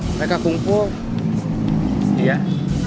sampai tanggal nanti tuh ya k genteinan